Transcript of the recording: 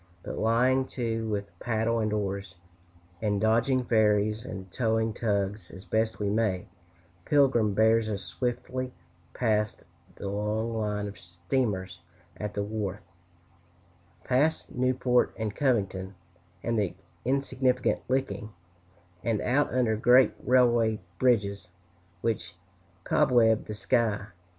But lying to with paddle and oars, and dodging ferries and towing tugs as best we may, Pilgrim bears us swiftly past the long line of steamers at the wharf, past Newport and Covington, and the insignificant Licking,[A] and out under great railway bridges which cobweb the sky.